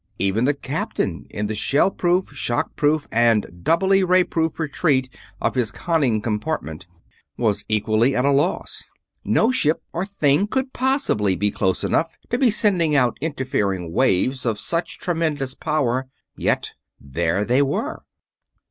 Even the captain, in the shell proof, shock proof, and doubly ray proof retreat of his conning compartment, was equally at a loss. No ship or thing could possibly be close enough to be sending out interfering waves of such tremendous power yet there they were!